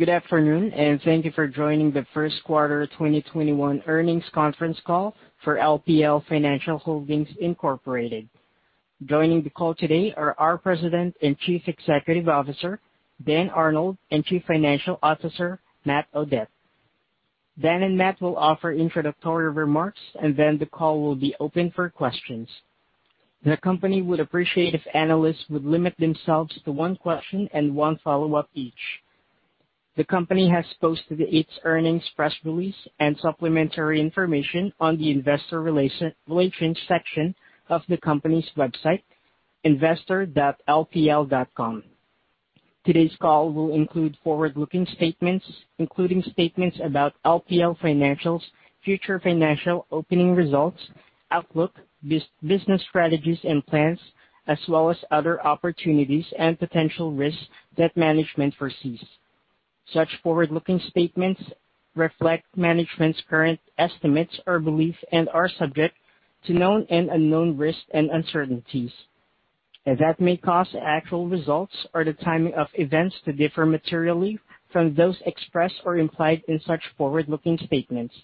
Good afternoon, thank you for joining the first quarter 2021 earnings conference call for LPL Financial Holdings Inc. Joining the call today are our President and Chief Executive Officer, Dan Arnold, and Chief Financial Officer, Matt Audette. Dan and Matt will offer introductory remarks, then the call will be open for questions. The company would appreciate if analysts would limit themselves to one question and one follow-up each. The company has posted its earnings press release and supplementary information on the investor relations section of the company's website, investor.lpl.com. Today's call will include forward-looking statements, including statements about LPL Financial's future financial operating results, outlook, business strategies and plans, as well as other opportunities and potential risks that management foresees. Such forward-looking statements reflect management's current estimates or belief and are subject to known and unknown risks and uncertainties, and that may cause actual results or the timing of events to differ materially from those expressed or implied in such forward-looking statements.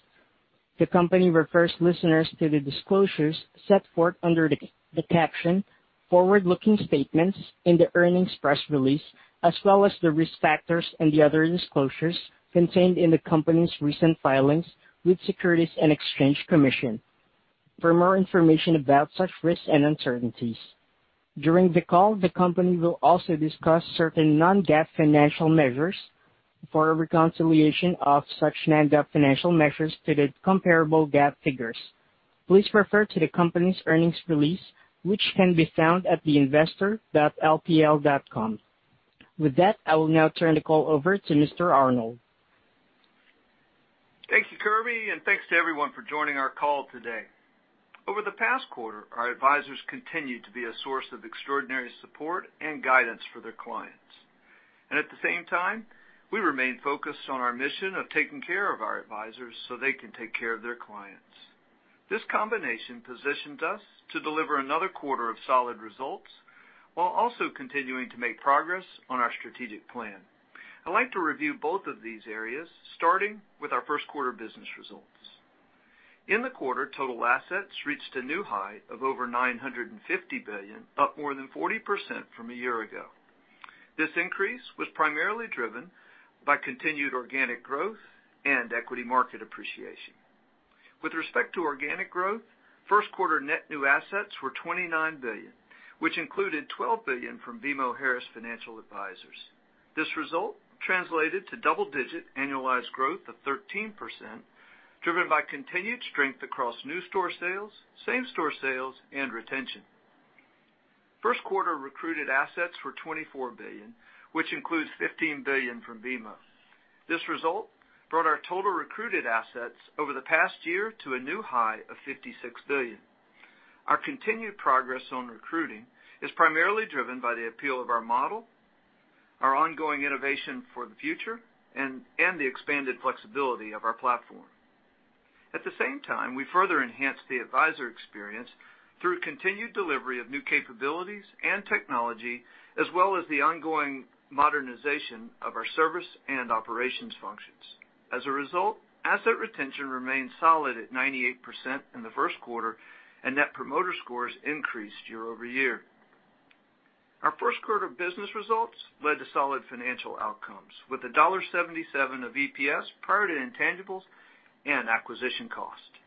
The company refers listeners to the disclosures set forth under the caption "Forward-Looking Statements" in the earnings press release, as well as the risk factors and the other disclosures contained in the company's recent filings with Securities and Exchange Commission for more information about such risks and uncertainties. During the call, the company will also discuss certain non-GAAP financial measures. For a reconciliation of such non-GAAP financial measures to the comparable GAAP figures, please refer to the company's earnings release, which can be found at the investor.lpl.com. With that, I will now turn the call over to Mr. Arnold. Thank you, Kirby, and thanks to everyone for joining our call today. Over the past quarter, our advisors continued to be a source of extraordinary support and guidance for their clients. At the same time, we remain focused on our mission of taking care of our advisors so they can take care of their clients. This combination positions us to deliver another quarter of solid results while also continuing to make progress on our strategic plan. I'd like to review both of these areas, starting with our first quarter business results. In the quarter, total assets reached a new high of over $950 billion, up more than 40% from a year ago. This increase was primarily driven by continued organic growth and equity market appreciation. With respect to organic growth, first quarter net new assets were $29 billion, which included $12 billion from BMO Harris Financial Advisors. This result translated to double-digit annualized growth of 13%, driven by continued strength across new store sales, same store sales, and retention. First quarter recruited assets were $24 billion, which includes $15 billion from BMO. This result brought our total recruited assets over the past year to a new high of $56 billion. Our continued progress on recruiting is primarily driven by the appeal of our model, our ongoing innovation for the future, and the expanded flexibility of our platform. At the same time, we further enhanced the advisor experience through continued delivery of new capabilities and technology, as well as the ongoing modernization of our service and operations functions. As a result, asset retention remains solid at 98% in the first quarter, and Net Promoter Scores increased year over year. Our first quarter business results led to solid financial outcomes with $1.77 of EPS prior to intangibles and acquisition cost.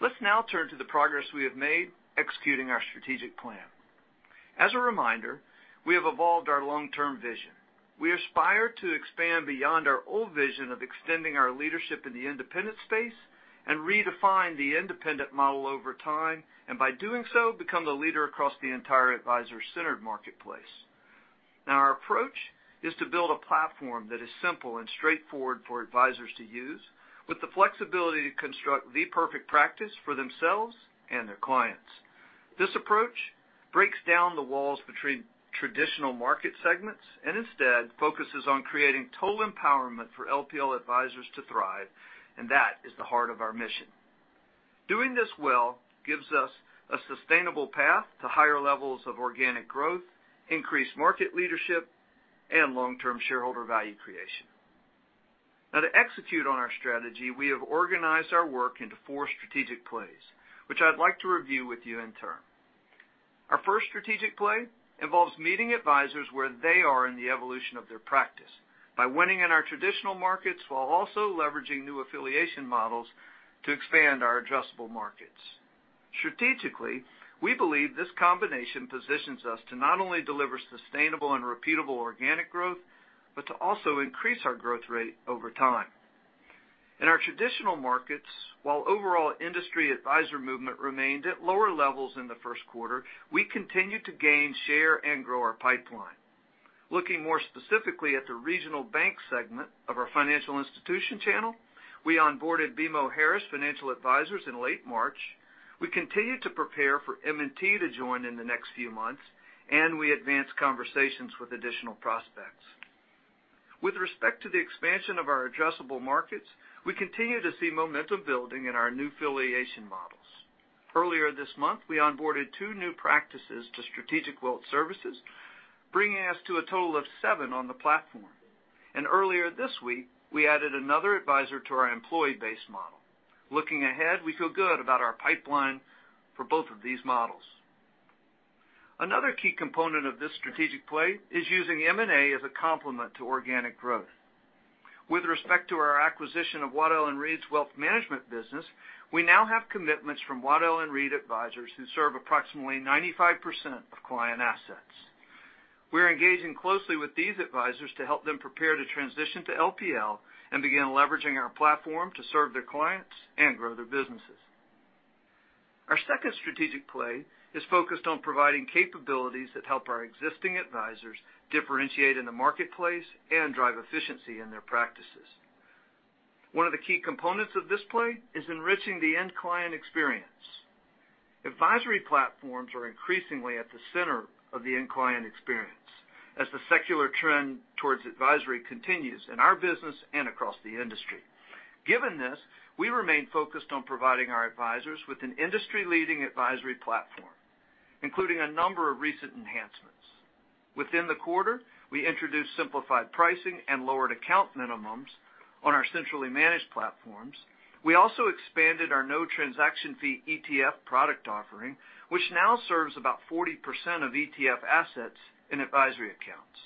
Let's now turn to the progress we have made executing our strategic plan. As a reminder, we have evolved our long-term vision. We aspire to expand beyond our old vision of extending our leadership in the independent space and redefine the independent model over time, and by doing so, become the leader across the entire advisor-centered marketplace. Now, our approach is to build a platform that is simple and straightforward for advisors to use, with the flexibility to construct the perfect practice for themselves and their clients. This approach breaks down the walls between traditional market segments, and instead focuses on creating total empowerment for LPL advisors to thrive, and that is the heart of our mission. Doing this well gives us a sustainable path to higher levels of organic growth, increased market leadership, and long-term shareholder value creation. To execute on our strategy, we have organized our work into four strategic plays, which I'd like to review with you in turn. Our first strategic play involves meeting advisors where they are in the evolution of their practice by winning in our traditional markets while also leveraging new affiliation models to expand our addressable markets. Strategically, we believe this combination positions us to not only deliver sustainable and repeatable organic growth, but to also increase our growth rate over time. In our traditional markets, while overall industry advisor movement remained at lower levels in the first quarter, we continued to gain share and grow our pipeline. Looking more specifically at the regional bank segment of our financial institution channel, we onboarded BMO Harris Financial Advisors in late March. We continue to prepare for M&T to join in the next few months, and we advance conversations with additional prospects. With respect to the expansion of our addressable markets, we continue to see momentum building in our new affiliation models. Earlier this month, we onboarded two new practices to Strategic Wealth Services, bringing us to a total of seven on the platform. Earlier this week, we added another advisor to our employee-based model. Looking ahead, we feel good about our pipeline for both of these models. Another key component of this strategic play is using M&A as a complement to organic growth. With respect to our acquisition of Waddell & Reed's wealth management business, we now have commitments from Waddell & Reed advisors who serve approximately 95% of client assets. We are engaging closely with these advisors to help them prepare to transition to LPL and begin leveraging our platform to serve their clients and grow their businesses. Our second strategic play is focused on providing capabilities that help our existing advisors differentiate in the marketplace and drive efficiency in their practices. One of the key components of this play is enriching the end client experience. Advisory platforms are increasingly at the center of the end client experience, as the secular trend towards advisory continues in our business and across the industry. Given this, we remain focused on providing our advisors with an industry-leading advisory platform, including a number of recent enhancements. Within the quarter, we introduced simplified pricing and lowered account minimums on our centrally managed platforms. We also expanded our no transaction fee ETF product offering, which now serves about 40% of ETF assets in advisory accounts.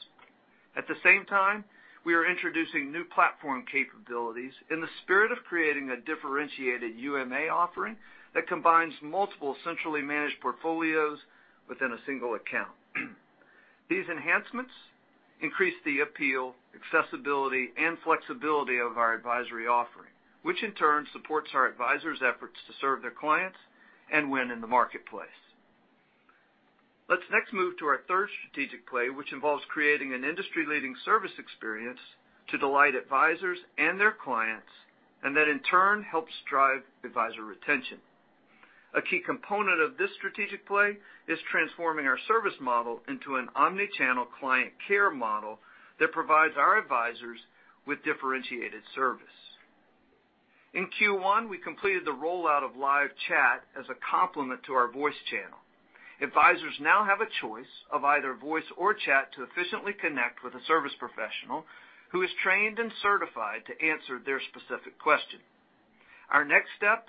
At the same time, we are introducing new platform capabilities in the spirit of creating a differentiated UMA offering that combines multiple centrally managed portfolios within a single account. These enhancements increase the appeal, accessibility, and flexibility of our advisory offering, which in turn supports our advisors' efforts to serve their clients and win in the marketplace. Let's next move to our third strategic play, which involves creating an industry-leading service experience to delight advisors and their clients, and that in turn helps drive advisor retention. A key component of this strategic play is transforming our service model into an omni-channel client care model that provides our advisors with differentiated service. In Q1, we completed the rollout of live chat as a complement to our voice channel. Advisors now have a choice of either voice or chat to efficiently connect with a service professional who is trained and certified to answer their specific question. Our next step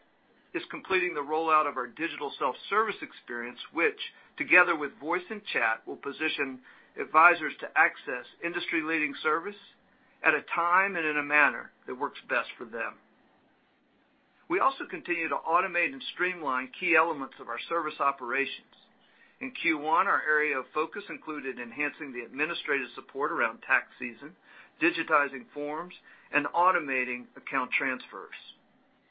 is completing the rollout of our digital self-service experience, which, together with voice and chat, will position advisors to access industry-leading service at a time and in a manner that works best for them. We also continue to automate and streamline key elements of our service operations. In Q1, our area of focus included enhancing the administrative support around tax season, digitizing forms, and automating account transfers.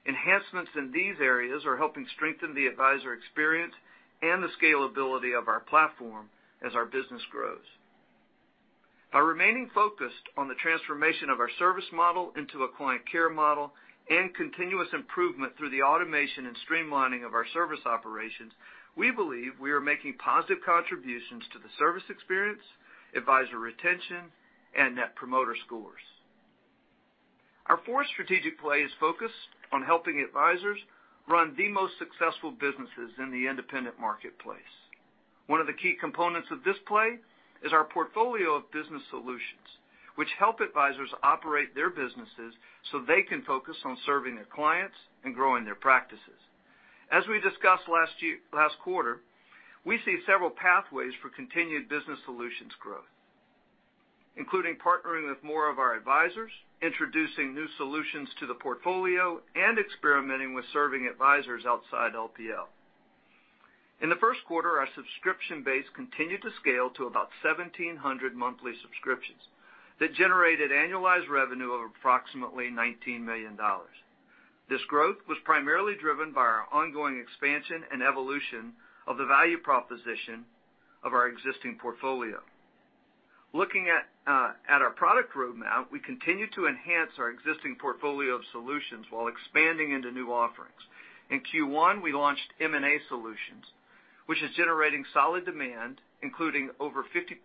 Enhancements in these areas are helping strengthen the advisor experience and the scalability of our platform as our business grows. By remaining focused on the transformation of our service model into a client care model and continuous improvement through the automation and streamlining of our service operations, we believe we are making positive contributions to the service experience, advisor retention, and Net Promoter Scores. Our fourth strategic play is focused on helping advisors run the most successful businesses in the independent marketplace. One of the key components of this play is our portfolio of Business Solutions, which help advisors operate their businesses so they can focus on serving their clients and growing their practices. As we discussed last quarter, we see several pathways for continued Business Solutions growth, including partnering with more of our advisors, introducing new solutions to the portfolio, and experimenting with serving advisors outside LPL. In the first quarter, our subscription base continued to scale to about 1,700 monthly subscriptions that generated annualized revenue of approximately $19 million. This growth was primarily driven by our ongoing expansion and evolution of the value proposition of our existing portfolio. Looking at our product roadmap, we continue to enhance our existing portfolio of solutions while expanding into new offerings. In Q1, we launched M&A Solutions, which is generating solid demand, including over 50 advisors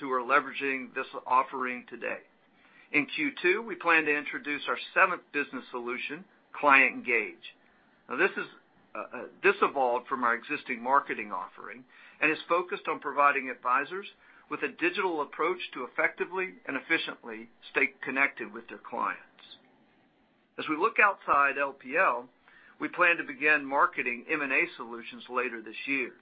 who are leveraging this offering today. In Q2, we plan to introduce our seventh business solution, ClientGauge. This evolved from our existing marketing offering and is focused on providing advisors with a digital approach to effectively and efficiently stay connected with their clients. As we look outside LPL, we plan to begin marketing M&A Solutions later this year.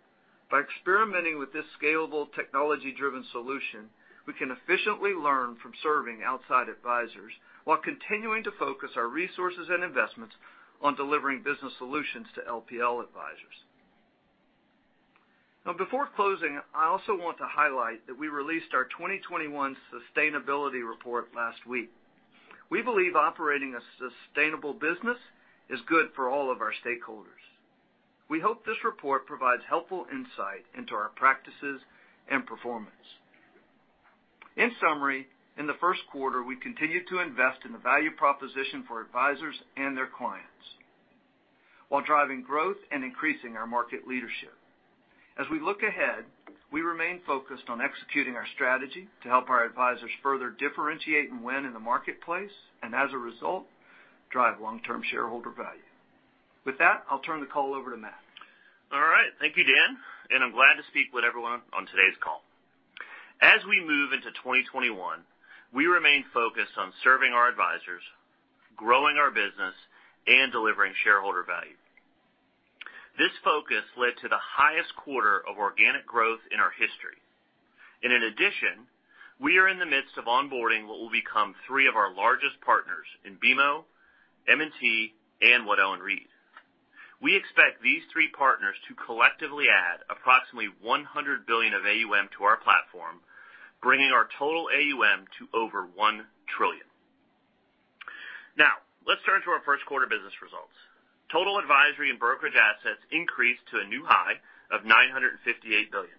By experimenting with this scalable technology-driven solution, we can efficiently learn from serving outside advisors while continuing to focus our resources and investments on delivering Business Solutions to LPL advisors. Before closing, I also want to highlight that we released our 2021 sustainability report last week. We believe operating a sustainable business is good for all of our stakeholders. We hope this report provides helpful insight into our practices and performance. In summary, in the first quarter, we continued to invest in the value proposition for advisors and their clients while driving growth and increasing our market leadership. As we look ahead, we remain focused on executing our strategy to help our advisors further differentiate and win in the marketplace, and as a result, drive long-term shareholder value. With that, I'll turn the call over to Matt. All right. Thank you, Dan, I'm glad to speak with everyone on today's call. As we move into 2021, we remain focused on serving our advisors, growing our business, and delivering shareholder value. This focus led to the highest quarter of organic growth in our history. In addition, we are in the midst of onboarding what will become three of our largest partners in BMO, M&T, and Waddell & Reed. We expect these three partners to collectively add approximately $100 billion of AUM to our platform, bringing our total AUM to over $1 trillion. Let's turn to our first quarter business results. Total advisory and brokerage assets increased to a new high of $958 billion,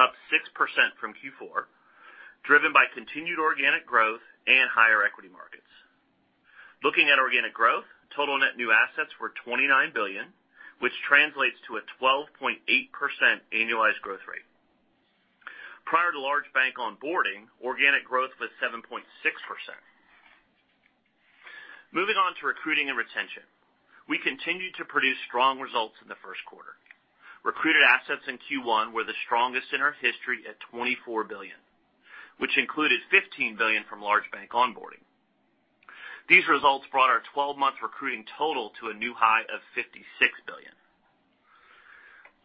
up 6% from Q4, driven by continued organic growth and higher equity markets. Looking at organic growth, total net new assets were $29 billion, which translates to a 12.8% annualized growth rate. Prior to large bank onboarding, organic growth was 7.6%. Moving on to recruiting and retention. We continued to produce strong results in the first quarter. Recruited assets in Q1 were the strongest in our history at $24 billion, which included $15 billion from large bank onboarding. These results brought our 12-month recruiting total to a new high of $56 billion.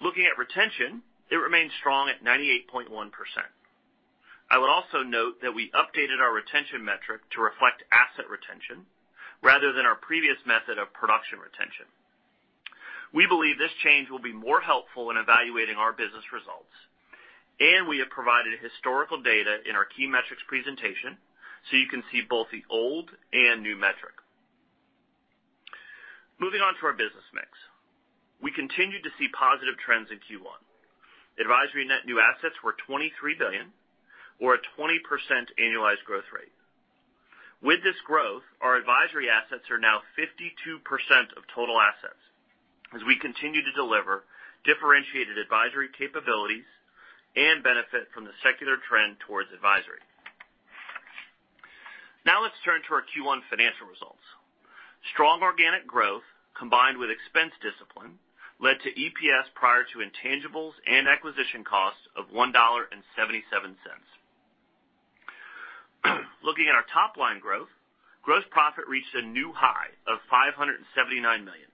Looking at retention, it remains strong at 98.1%. I would also note that we updated our retention metric to reflect asset retention rather than our previous method of production retention. We believe this change will be more helpful in evaluating our business results. We have provided historical data in our key metrics presentation so you can see both the old and new metric. Moving on to our business mix. We continued to see positive trends in Q1. Advisory net new assets were $23 billion, or a 20% annualized growth rate. With this growth, our advisory assets are now 52% of total assets as we continue to deliver differentiated advisory capabilities and benefit from the secular trend towards advisory. Let's turn to our Q1 financial results. Strong organic growth, combined with expense discipline, led to EPS prior to intangibles and acquisition costs of $1.77. Looking at our top-line growth, gross profit reached a new high of $579 million,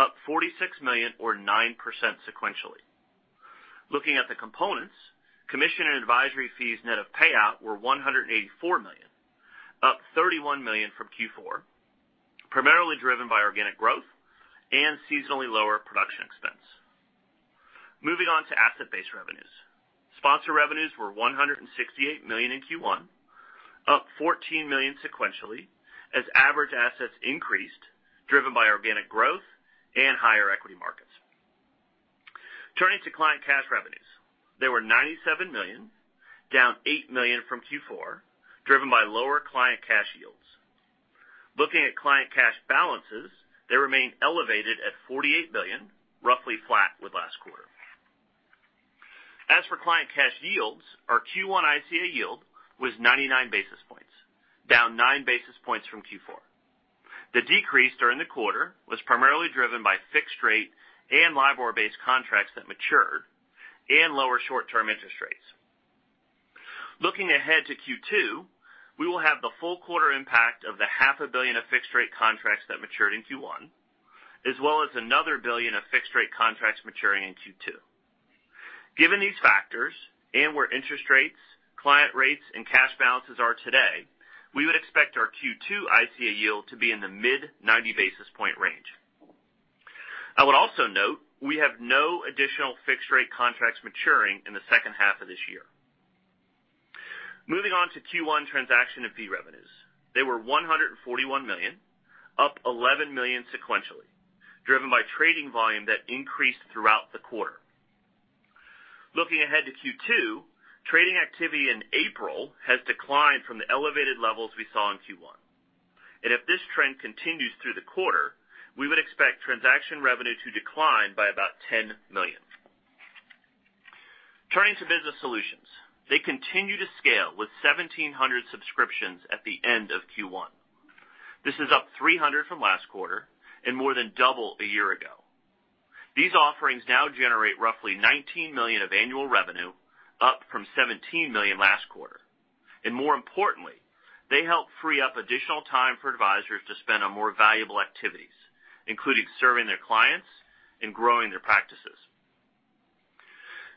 up $46 million or 9% sequentially. Looking at the components, commission and advisory fees net of payout were $184 million, up $31 million from Q4, primarily driven by organic growth and seasonally lower production expense. Moving on to asset-based revenues. Sponsor revenues were $168 million in Q1, up $14 million sequentially, as average assets increased, driven by organic growth and higher equity markets. Turning to client cash revenues. They were $97 million, down $8 million from Q4, driven by lower client cash yields. Looking at client cash balances, they remain elevated at $48 billion, roughly flat with last quarter. As for client cash yields, our Q1 ICA yield was 99 basis points, down nine basis points from Q4. The decrease during the quarter was primarily driven by fixed-rate and LIBOR-based contracts that matured and lower short-term interest rates. Looking ahead to Q2, we will have the full quarter impact of the half a billion of fixed-rate contracts that matured in Q1, as well as another $1 billion of fixed-rate contracts maturing in Q2. Given these factors and where interest rates, client rates, and cash balances are today, we would expect our Q2 ICA yield to be in the mid 90 basis point range. I would also note we have no additional fixed-rate contracts maturing in the second half of this year. Moving on to Q1 transaction and fee revenues. They were $141 million, up $11 million sequentially, driven by trading volume that increased throughout the quarter. Looking ahead to Q2, trading activity in April has declined from the elevated levels we saw in Q1. If this trend continues through the quarter, we would expect transaction revenue to decline by about $10 million. Turning to Business Solutions. They continue to scale with 1,700 subscriptions at the end of Q1. This is up 300 from last quarter and more than double a year ago. These offerings now generate roughly $19 million of annual revenue, up from $17 million last quarter. More importantly, they help free up additional time for advisors to spend on more valuable activities, including serving their clients and growing their practices.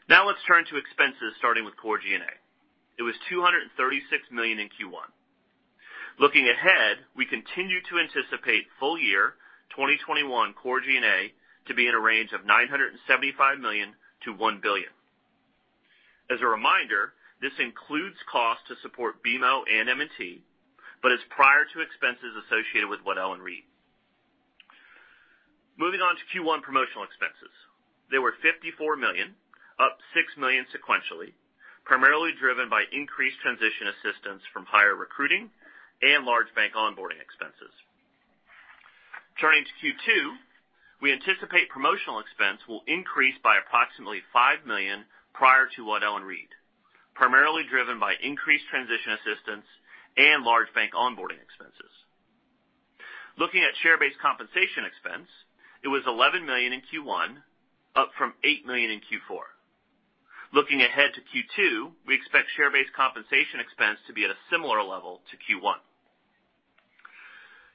Now let's turn to expenses starting with core G&A. It was $236 million in Q1. Looking ahead, we continue to anticipate full year 2021 core G&A to be in a range of $975 million-$1 billion. As a reminder, this includes costs to support BMO and M&T, but is prior to expenses associated with Waddell & Reed. Moving on to Q1 promotional expenses. They were $54 million, up $6 million sequentially, primarily driven by increased transition assistance from higher recruiting and large bank onboarding expenses. Turning to Q2, we anticipate promotional expense will increase by approximately $5 million prior to Waddell & Reed, primarily driven by increased transition assistance and large bank onboarding expenses. Looking at share-based compensation expense, it was $11 million in Q1, up from $8 million in Q4. Looking ahead to Q2, we expect share-based compensation expense to be at a similar level to Q1.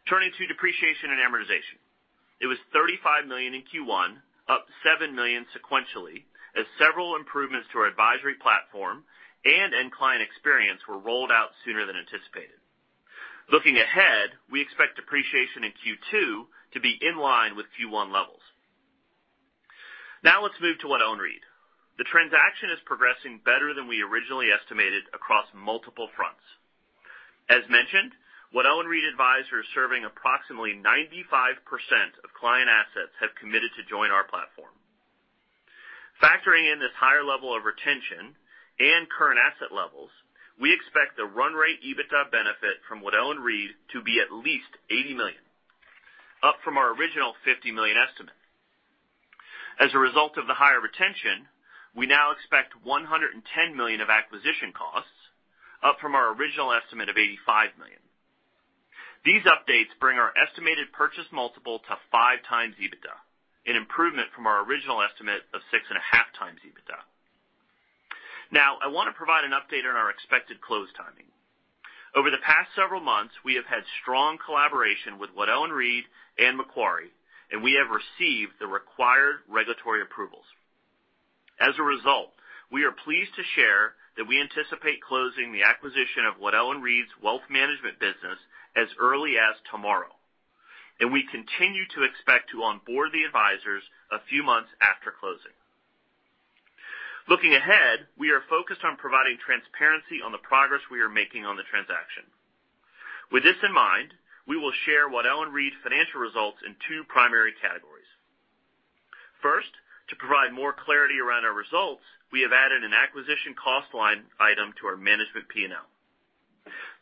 Turning to depreciation and amortization. It was $35 million in Q1, up $7 million sequentially as several improvements to our advisory platform and in client experience were rolled out sooner than anticipated. Looking ahead, we expect depreciation in Q2 to be in line with Q1 levels. Let's move to Waddell & Reed. The transaction is progressing better than we originally estimated across multiple fronts. As mentioned, Waddell & Reed advisors serving approximately 95% of client assets have committed to join our platform. Factoring in this higher level of retention and current asset levels, we expect the run rate EBITDA benefit from Waddell & Reed to be at least $80 million, up from our original $50 million estimate. As a result of the higher retention, we now expect $110 million of acquisition costs, up from our original estimate of $85 million. These updates bring our estimated purchase multiple to 5 times EBITDA, an improvement from our original estimate of 6.5 times EBITDA. Now, I want to provide an update on our expected close timing. Over the past several months, we have had strong collaboration with Waddell & Reed and Macquarie, and we have received the required regulatory approvals. As a result, we are pleased to share that we anticipate closing the acquisition of Waddell & Reed's wealth management business as early as tomorrow, and we continue to expect to onboard the advisors a few months after closing. Looking ahead, we are focused on providing transparency on the progress we are making on the transaction. With this in mind, we will share Waddell & Reed's financial results in two primary categories. First, to provide more clarity around our results, we have added an acquisition cost line item to our management P&L.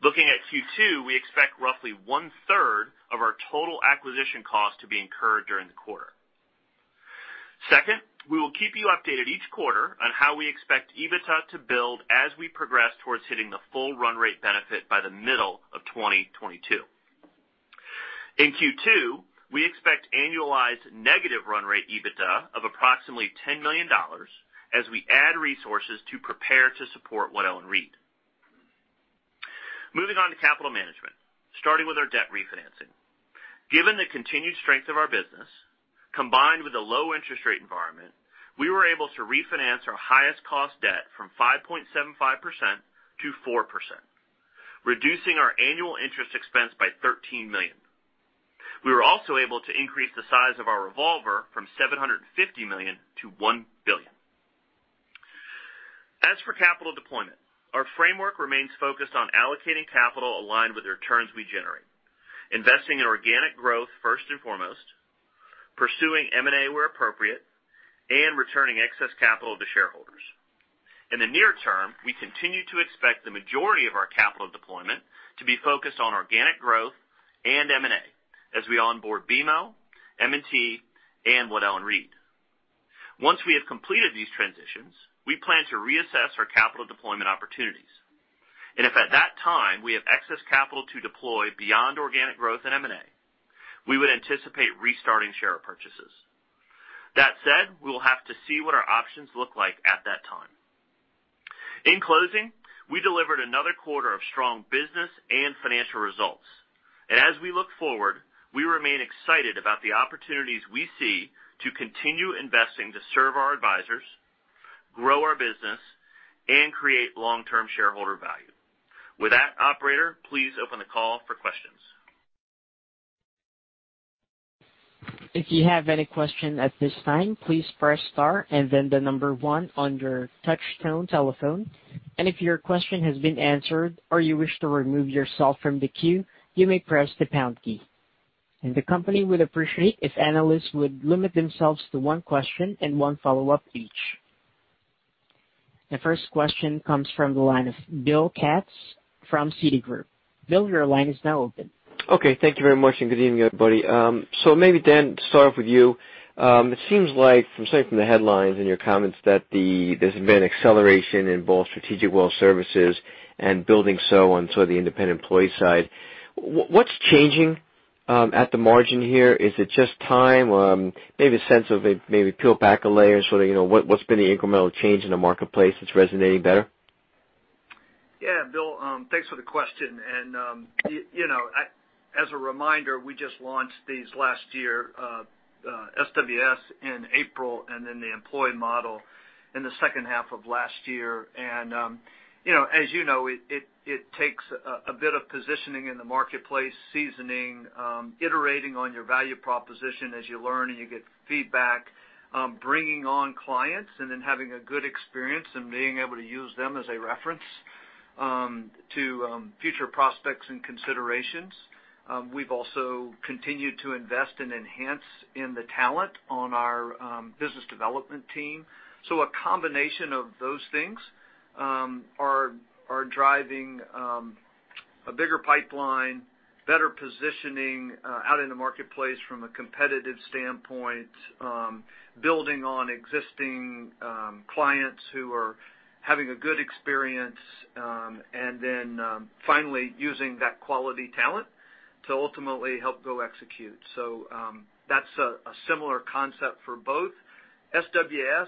Looking at Q2, we expect roughly one-third of our total acquisition cost to be incurred during the quarter. Second, we will keep you updated each quarter on how we expect EBITDA to build as we progress towards hitting the full run rate benefit by the middle of 2022. In Q2, we expect annualized negative run rate EBITDA of approximately $10 million as we add resources to prepare to support Waddell & Reed. Moving on to capital management, starting with our debt refinancing. Given the continued strength of our business, combined with a low interest rate environment, we were able to refinance our highest-cost debt from 5.75% to 4%, reducing our annual interest expense by $13 million. We were also able to increase the size of our revolver from $750 million to $1 billion. As for capital deployment, our framework remains focused on allocating capital aligned with the returns we generate, investing in organic growth first and foremost, pursuing M&A where appropriate, and returning excess capital to shareholders. In the near term, we continue to expect the majority of our capital deployment to be focused on organic growth and M&A as we onboard BMO, M&T, and Waddell & Reed. Once we have completed these transitions, we plan to reassess our capital deployment opportunities. If at that time we have excess capital to deploy beyond organic growth and M&A, we would anticipate restarting share purchases. That said, we will have to see what our options look like at that time. In closing, we delivered another quarter of strong business and financial results. As we look forward, we remain excited about the opportunities we see to continue investing to serve our advisors, grow our business, and create long-term shareholder value. With that, operator, please open the call for questions. If you have any question at this time, please press star and then the number one on your touch tone telephone. If your question has been answered or you wish to remove yourself from the queue, you may press the pound key. The company would appreciate it if analysts would limit themselves to one question and one follow-up each. The first question comes from the line of Bill Katz from Citigroup. Bill, your line is now open. Okay. Thank you very much. Good evening, everybody. Maybe Dan, to start off with you. It seems like, from certainly from the headlines and your comments, that there's been acceleration in both Strategic Wealth Services and building SOE on to the independent employee side. What's changing at the margin here? Is it just time? Maybe a sense of peel back a layer and sort of what's been the incremental change in the marketplace that's resonating better? Yeah, Bill, thanks for the question. As a reminder, we just launched these last year, SWS in April, and then the employee model in the second half of last year. As you know, it takes a bit of positioning in the marketplace, seasoning, iterating on your value proposition as you learn and you get feedback, bringing on clients, and then having a good experience and being able to use them as a reference to future prospects and considerations. We've also continued to invest and enhance in the talent on our business development team. A combination of those things are driving a bigger pipeline, better positioning out in the marketplace from a competitive standpoint, building on existing clients who are having a good experience, and then finally using that quality talent to ultimately help go execute. That's a similar concept for both. SWS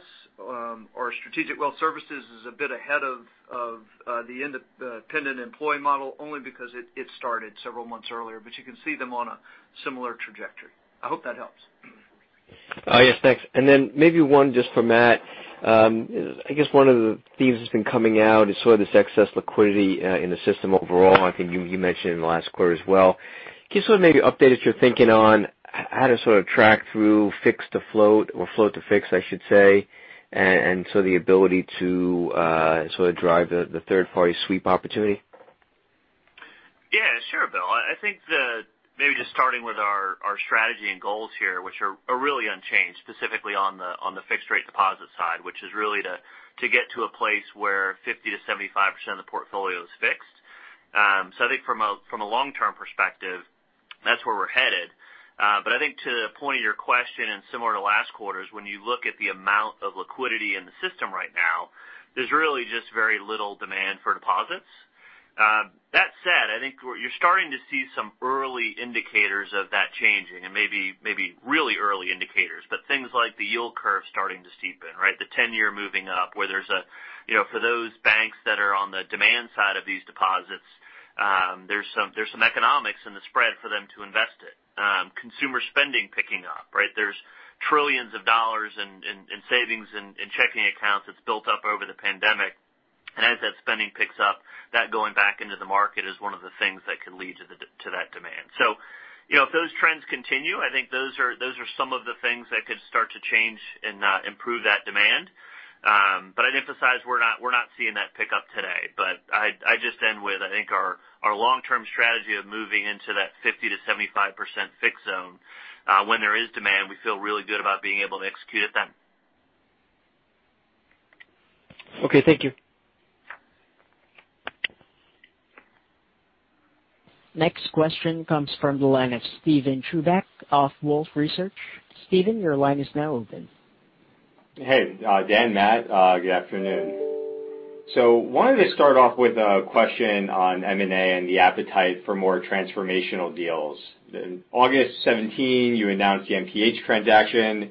or Strategic Wealth Services is a bit ahead of the independent employee model, only because it started several months earlier, but you can see them on a similar trajectory. I hope that helps. Yes, thanks. Then maybe one just for Matt. I guess one of the themes that's been coming out is this excess liquidity in the system overall. I think you mentioned in the last quarter as well. Can you sort of maybe update us your thinking on how to sort of track through fix to float or float to fix, I should say, and so the ability to sort of drive the third-party sweep opportunity? Sure, Bill. I think maybe just starting with our strategy and goals here, which are really unchanged, specifically on the fixed-rate deposit side, which is really to get to a place where 50%-75% of the portfolio is fixed. I think from a long-term perspective, that's where we're headed. I think to the point of your question, and similar to last quarter's, when you look at the amount of liquidity in the system right now, there's really just very little demand for deposits. That said, I think you're starting to see some early indicators of that changing and maybe really early indicators, but things like the yield curve starting to steepen, right? The 10-year moving up, where for those banks that are on the demand side of these deposits, there's some economics in the spread for them to invest it. Consumer spending picking up, right? There's trillions of dollars in savings and checking accounts that's built up over the pandemic. As that spending picks up, that going back into the market is one of the things that could lead to that demand. If those trends continue, I think those are some of the things that could start to change and improve that demand. I'd emphasize we're not seeing that pick up today, but I just end with, I think our long-term strategy of moving into that 50%-75% fixed zone. When there is demand, we feel really good about being able to execute it then. Okay. Thank you. Next question comes from the line of Steven Chubak of Wolfe Research. Steven, your line is now open. Hey, Dan, Matt. Good afternoon. Wanted to start off with a question on M&A and the appetite for more transformational deals. In August 2017, you announced the NPH transaction.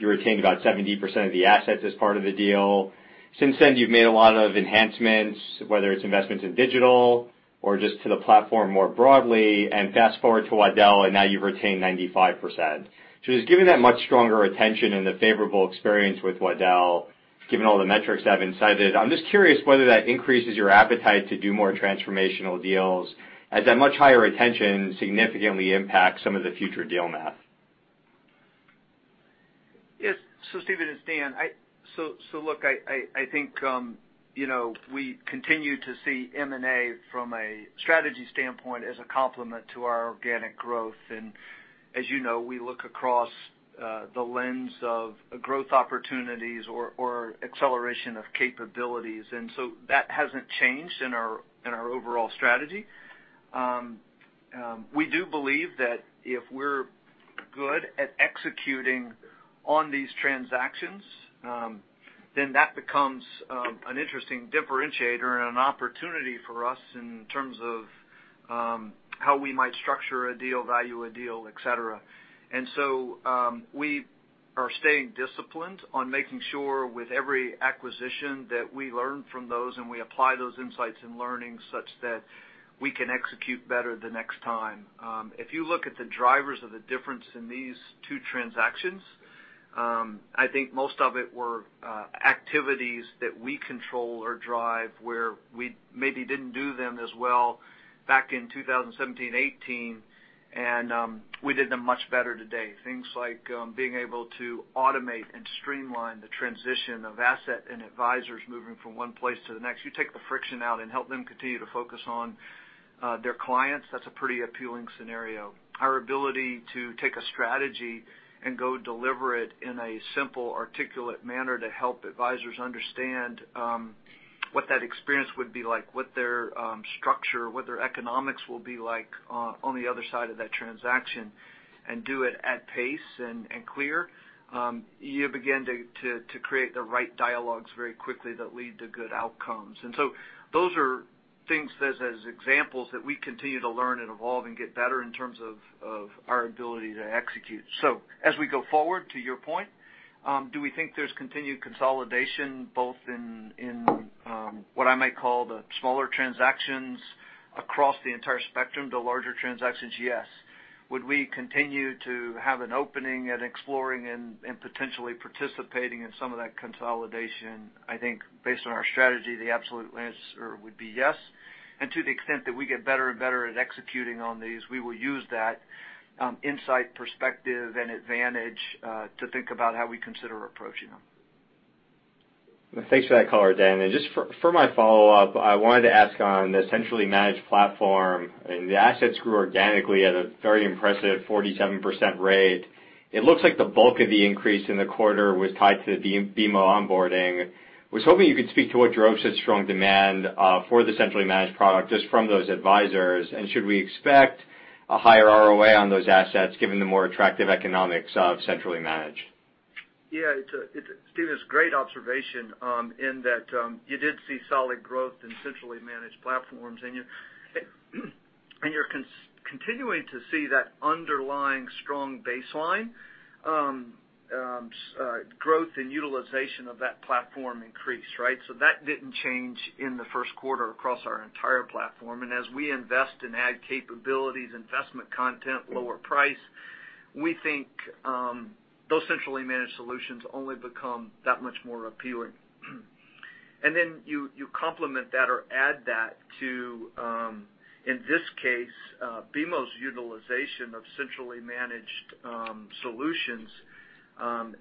You retained about 70% of the assets as part of the deal. Since then, you've made a lot of enhancements, whether it's investments in digital or just to the platform more broadly. Fast-forward to Waddell, and now you've retained 95%. Just given that much stronger retention and the favorable experience with Waddell, given all the metrics that have been cited, I'm just curious whether that increases your appetite to do more transformational deals as that much higher retention significantly impacts some of the future deal math. Yes. Steven, it's Dan. Look, I think we continue to see M&A from a strategy standpoint as a complement to our organic growth. As you know, we look across the lens of growth opportunities or acceleration of capabilities. That hasn't changed in our overall strategy. We do believe that if we're good at executing on these transactions, then that becomes an interesting differentiator and an opportunity for us in terms of how we might structure a deal, value a deal, et cetera. We are staying disciplined on making sure with every acquisition that we learn from those, and we apply those insights and learnings such that we can execute better the next time. If you look at the drivers of the difference in these two transactions, I think most of it were activities that we control or drive where we maybe didn't do them as well back in 2017, 2018, and we did them much better today. Things like being able to automate and streamline the transition of assets and advisors moving from one place to the next. You take the friction out and help them continue to focus on their clients. That's a pretty appealing scenario. Our ability to take a strategy and go deliver it in a simple, articulate manner to help advisors understand what that experience would be like, what their structure, what their economics will be like on the other side of that transaction and do it at pace and clear. You begin to create the right dialogues very quickly that lead to good outcomes. Those are things as examples that we continue to learn and evolve and get better in terms of our ability to execute. As we go forward, to your point, do we think there's continued consolidation, both in what I might call the smaller transactions across the entire spectrum to larger transactions? Yes. Would we continue to have an opening and exploring and potentially participating in some of that consolidation? I think based on our strategy, the absolute answer would be yes. To the extent that we get better and better at executing on these, we will use that insight, perspective, and advantage to think about how we consider approaching them. Thanks for that color, Dan. Just for my follow-up, I wanted to ask on the centrally managed platform, the assets grew organically at a very impressive 47% rate. It looks like the bulk of the increase in the quarter was tied to the BMO onboarding. Was hoping you could speak to what drove such strong demand for the centrally managed product just from those advisors. Should we expect a higher ROA on those assets, given the more attractive economics of centrally managed. Yeah, Steven, it's a great observation in that you did see solid growth in centrally managed platforms, and you're continuing to see that underlying strong baseline growth and utilization of that platform increase, right? That didn't change in the first quarter across our entire platform. As we invest and add capabilities, investment content, lower price, we think those centrally managed solutions only become that much more appealing. Then you complement that or add that to, in this case, BMO's utilization of centrally managed solutions,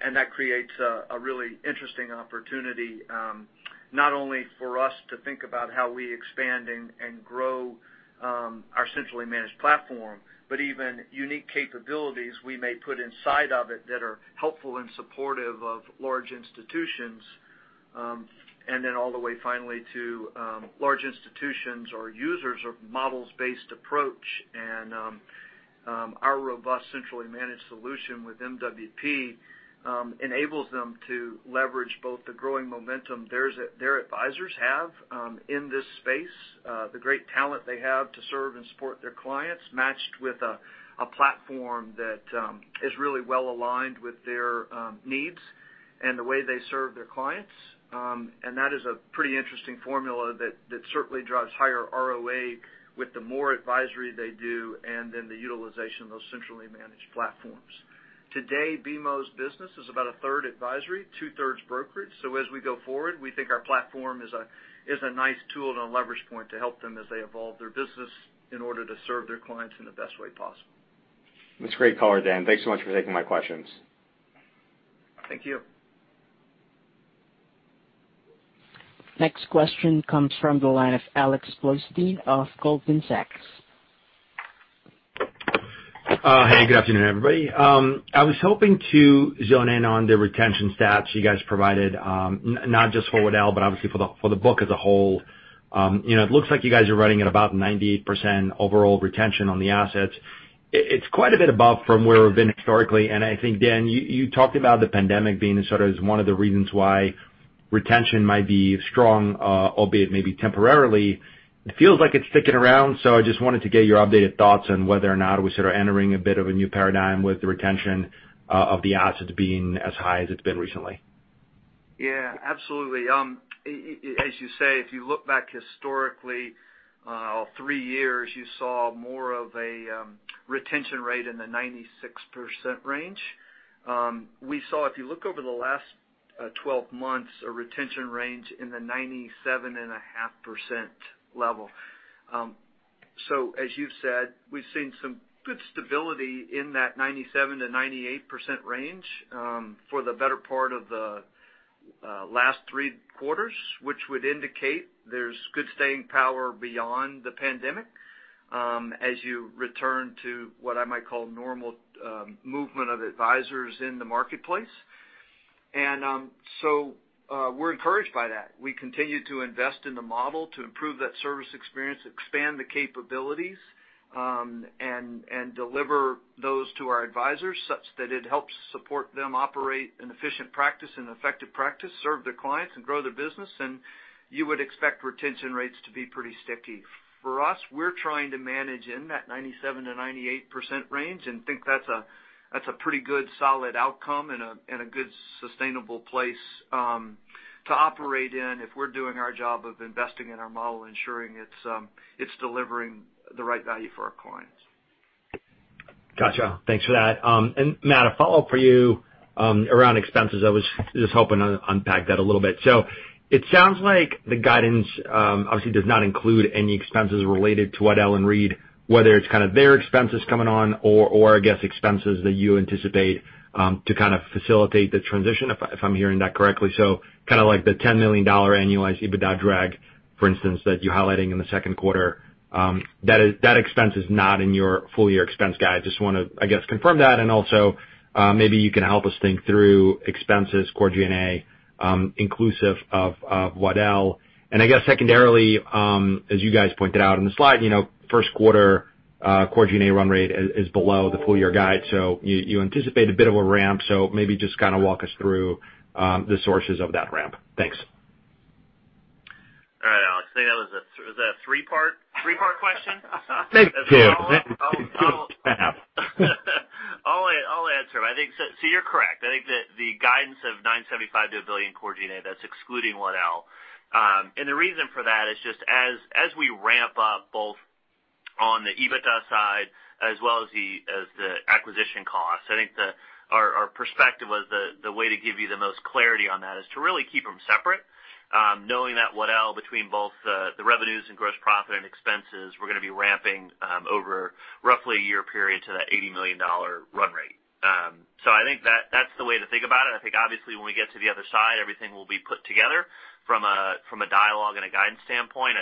and that creates a really interesting opportunity, not only for us to think about how we expand and grow our centrally managed platform, but even unique capabilities we may put inside of it that are helpful and supportive of large institutions, and then all the way finally to large institutions or users of models-based approach. Our robust centrally managed solution with MWP enables them to leverage both the growing momentum their advisors have in this space, the great talent they have to serve and support their clients, matched with a platform that is really well-aligned with their needs and the way they serve their clients. That is a pretty interesting formula that certainly drives higher ROA with the more advisory they do and then the utilization of those centrally managed platforms. Today, BMO's business is about a third advisory, two-thirds brokerage. As we go forward, we think our platform is a nice tool and a leverage point to help them as they evolve their business in order to serve their clients in the best way possible. That's a great color, Dan. Thanks so much for taking my questions. Thank you. Next question comes from the line of Alex Blostein of Goldman Sachs. Hey, good afternoon, everybody. I was hoping to zone in on the retention stats you guys provided, not just for Waddell, but obviously for the book as a whole. It looks like you guys are running at about 98% overall retention on the assets. It's quite a bit above from where we've been historically. I think, Dan Arnold, you talked about the pandemic being sort of one of the reasons why retention might be strong, albeit maybe temporarily. It feels like it's sticking around. I just wanted to get your updated thoughts on whether or not we're sort of entering a bit of a new paradigm with the retention of the assets being as high as it's been recently. Yeah, absolutely. As you say, if you look back historically, all three years, you saw more of a retention rate in the 96% range. We saw, if you look over the last 12 months, a retention range in the 97.5% level. As you've said, we've seen some good stability in that 97%-98% range for the better part of the last three quarters, which would indicate there's good staying power beyond the pandemic as you return to what I might call normal movement of advisors in the marketplace. We're encouraged by that. We continue to invest in the model to improve that service experience, expand the capabilities, and deliver those to our advisors such that it helps support them operate an efficient practice, an effective practice, serve their clients, and grow their business. You would expect retention rates to be pretty sticky. For us, we're trying to manage in that 97%-98% range and think that's a pretty good, solid outcome and a good, sustainable place to operate in if we're doing our job of investing in our model, ensuring it's delivering the right value for our clients. Got you. Thanks for that. Matt, a follow-up for you around expenses. I was just hoping to unpack that a little bit. It sounds like the guidance obviously does not include any expenses related to Waddell & Reed, whether it's kind of their expenses coming on or I guess, expenses that you anticipate to facilitate the transition, if I'm hearing that correctly. Kind of like the $10 million annualized EBITDA drag, for instance, that you're highlighting in the second quarter. That expense is not in your full-year expense guide. Just want to, I guess, confirm that. Also, maybe you can help us think through expenses, core G&A, inclusive of Waddell. I guess secondarily, as you guys pointed out in the slide, first quarter core G&A run rate is below the full-year guide. You anticipate a bit of a ramp. Maybe just kind of walk us through the sources of that ramp. Thanks. All right, Alex. I think that was a three-part question? Thank you. I'll answer. You're correct. I think that the guidance of $975 million-$1 billion core G&A, that's excluding Waddell. The reason for that is just as we ramp up both on the EBITDA side as well as the acquisition costs, I think our perspective was the way to give you the most clarity on that is to really keep them separate. Knowing that Waddell, between both the revenues and gross profit and expenses, we're going to be ramping over roughly a year period to that $80 million run rate. I think that's the way to think about it. I think obviously when we get to the other side, everything will be put together from a dialogue and a guidance standpoint.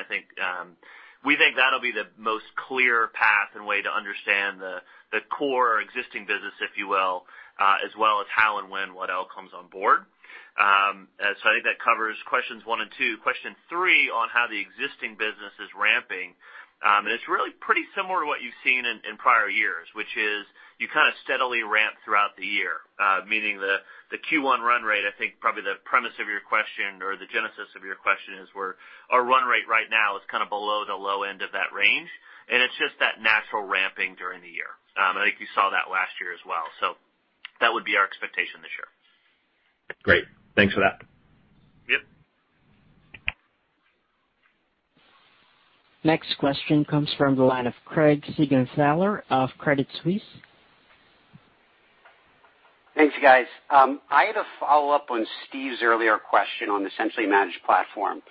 We think that'll be the most clear path and way to understand the core existing business, if you will, as well as how and when Waddell comes on board. I think that covers questions one and two. Question three on how the existing business is ramping. It's really pretty similar to what you've seen in prior years, which is you kind of steadily ramp throughout the year, meaning the Q1 run rate, I think probably the premise of your question or the genesis of your question is where our run rate right now is kind of below the low end of that range, and it's just that natural ramping during the year. I think you saw that last year as well. That would be our expectation this year. Great. Thanks for that. Yep. Next question comes from the line of Craig Siegenthaler of Credit Suisse. Thanks, guys. I had a follow-up on Steven's earlier question on the centrally managed platform.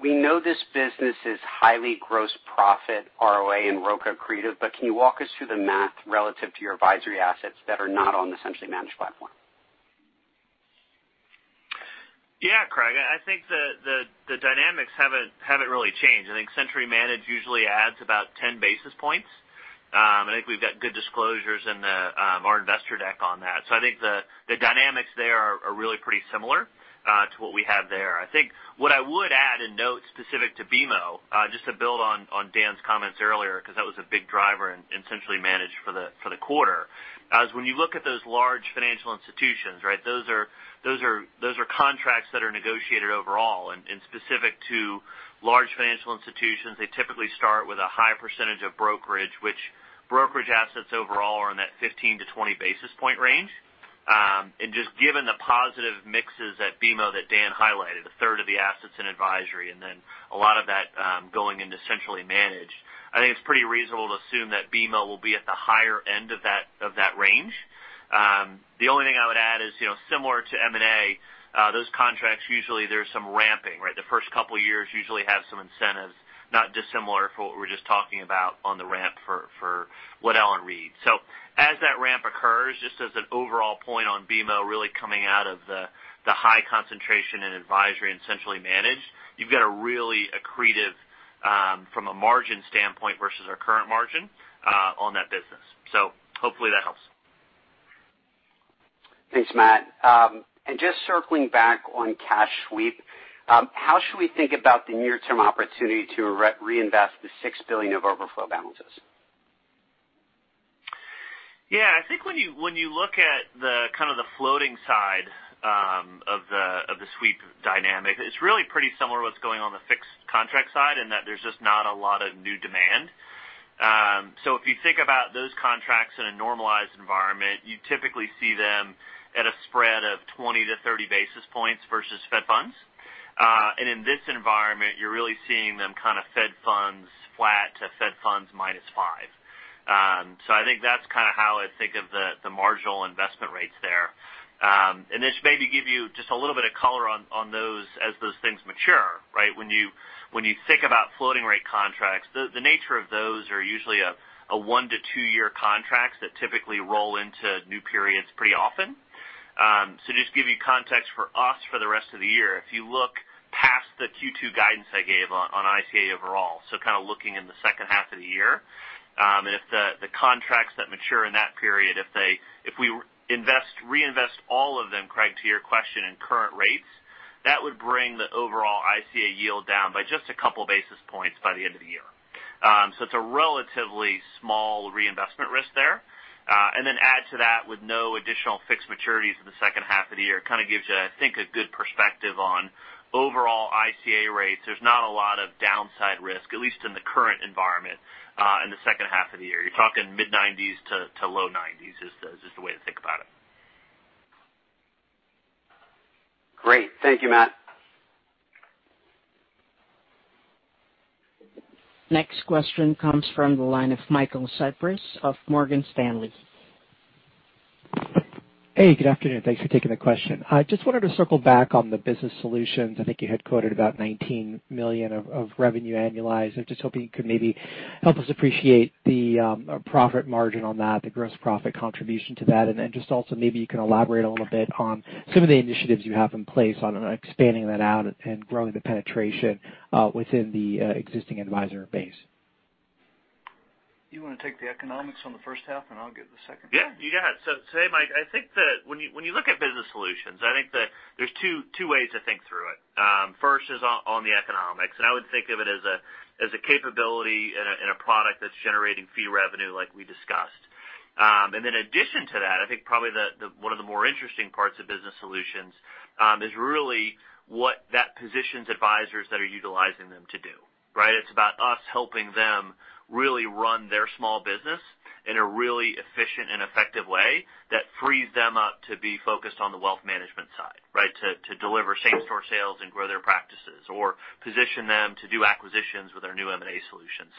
We know this business is highly gross profit, ROA, and ROC accretive. Can you walk us through the math relative to your advisory assets that are not on the centrally managed platform? Yeah, Craig. I think the dynamics haven't really changed. I think centrally managed usually adds about 10 basis points. I think we've got good disclosures in our investor deck on that. I think the dynamics there are really pretty similar to what we have there. I think what I would add and note specific to BMO, just to build on Dan's comments earlier, because that was a big driver in centrally managed for the quarter, as when you look at those large financial institutions, right? Those are contracts that are negotiated overall. Specific to large financial institutions, they typically start with a high percentage of brokerage, which brokerage assets overall are in that 15 to 20 basis point range. Just given the positive mixes at BMO that Dan highlighted, a third of the assets in advisory, and then a lot of that going into centrally managed. I think it's pretty reasonable to assume that BMO will be at the higher end of that range. The only thing I would add is, similar to M&A, those contracts usually there's some ramping, right? The first couple of years usually have some incentives, not dissimilar for what we're just talking about on the ramp for Waddell & Reed. As that ramp occurs, just as an overall point on BMO really coming out of the high concentration in advisory and centrally managed, you've got a really accretive from a margin standpoint versus our current margin on that business. Hopefully that helps. Thanks, Matt. Just circling back on cash sweep, how should we think about the near term opportunity to reinvest the $6 billion of overflow balances? Yeah. I think when you look at kind of the floating side of the sweep dynamic, it's really pretty similar to what's going on the fixed contract side in that there's just not a lot of new demand. If you think about those contracts in a normalized environment, you typically see them at a spread of 20 to 30 basis points versus Fed funds. In this environment, you're really seeing them kind of Fed funds flat to Fed funds minus five. I think that's kind of how I think of the marginal investment rates there. This maybe give you just a little bit of color on those as those things mature, right. When you think about floating rate contracts, the nature of those are usually a one to two-year contracts that typically roll into new periods pretty often. Just give you context for us for the rest of the year. If you look past the Q2 guidance I gave on ICA overall, so kind of looking in the second half of the year. If the contracts that mature in that period, if we reinvest all of them, Craig, to your question, in current rates, that would bring the overall ICA yield down by just a couple basis points by the end of the year. It's a relatively small reinvestment risk there. Add to that with no additional fixed maturities for the second half of the year, kind of gives you, I think, a good perspective on overall ICA rates. There's not a lot of downside risk, at least in the current environment, in the second half of the year. You're talking mid-nineties to low nineties is the way to think about it. Great. Thank you, Matt. Next question comes from the line of Michael Cyprys of Morgan Stanley. Hey, good afternoon. Thanks for taking the question. I just wanted to circle back on the Business Solutions. I think you had quoted about $19 million of revenue annualized. I'm just hoping you could maybe help us appreciate the profit margin on that, the gross profit contribution to that. Just also, maybe you can elaborate a little bit on some of the initiatives you have in place on expanding that out and growing the penetration within the existing advisor base. You want to take the economics on the first half, and I'll get the second? Mike, I think that when you look at Business Solutions, I think there's two ways to think through it. First is on the economics, and I would think of it as a capability and a product that's generating fee revenue, like we discussed. In addition to that, I think probably one of the more interesting parts of Business Solutions, is really what that positions advisors that are utilizing them to do, right? It's about us helping them really run their small business in a really efficient and effective way that frees them up to be focused on the wealth management side, right? To deliver same-store sales and grow their practices or position them to do acquisitions with our new M&A Solutions.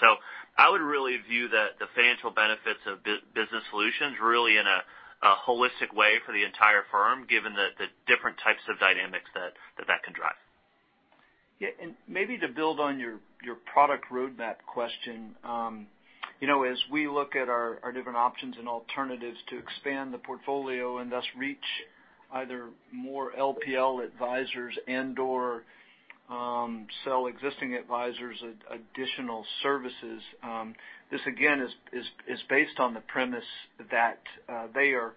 I would really view the financial benefits of Business Solutions really in a holistic way for the entire firm, given the different types of dynamics that can drive. Yeah. Maybe to build on your product roadmap question. As we look at our different options and alternatives to expand the portfolio and thus reach either more LPL advisors and/or sell existing advisors additional services. This again, is based on the premise that they are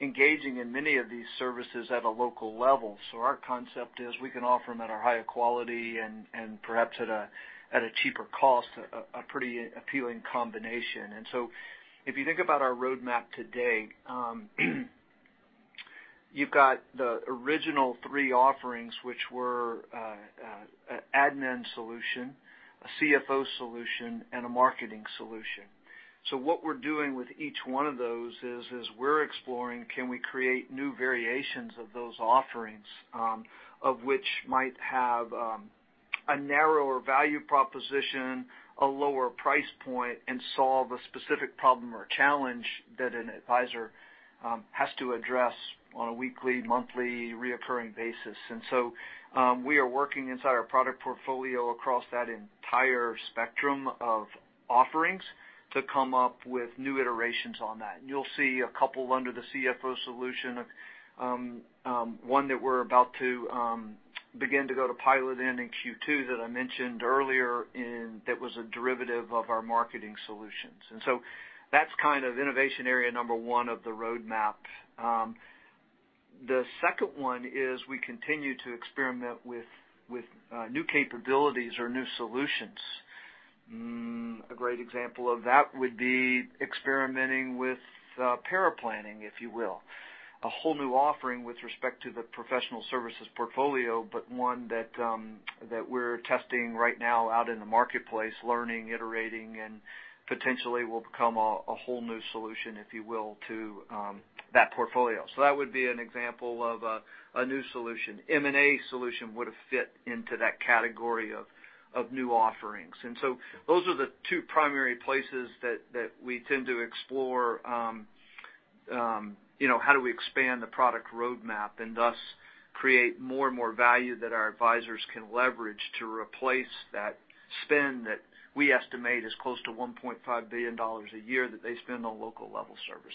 engaging in many of these services at a local level. Our concept is we can offer them at a higher quality and perhaps at a cheaper cost, a pretty appealing combination. If you think about our roadmap today, you've got the original three offerings, which were an admin solution, a CFO solution, and a marketing solution. What we're doing with each one of those is we're exploring can we create new variations of those offerings, of which might have a narrower value proposition, a lower price point, and solve a specific problem or challenge that an advisor has to address on a weekly, monthly, recurring basis. We are working inside our product portfolio across that entire spectrum of offerings to come up with new iterations on that. You'll see a couple under the CFO solution, one that we're about to begin to go to pilot in Q2 that I mentioned earlier, and that was a derivative of our Marketing Solutions. That's kind of innovation area number one of the roadmap. The second one is we continue to experiment with new capabilities or new solutions. A great example of that would be experimenting with paraplanning, if you will. A whole new offering with respect to the professional services portfolio, but one that we're testing right now out in the marketplace, learning, iterating, and potentially will become a whole new solution, if you will, to that portfolio. That would be an example of a new solution. M&A Solutions would have fit into that category of new offerings. Those are the two primary places that we tend to explore how do we expand the product roadmap and thus create more and more value that our advisors can leverage to replace that spend that we estimate is close to $1.5 billion a year that they spend on local level services.